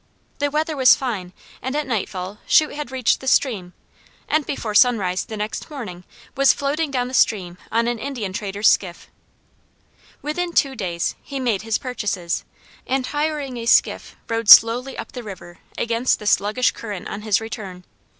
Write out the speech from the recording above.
The weather was fine and at nightfall Shute had reached the river, and before sunrise the next morning was floating down the stream on an Indian trader's skiff. Within two days he made his purchases, and hiring a skiff rowed slowly up the river against the sluggish current on his return.